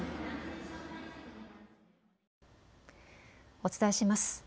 お伝えします。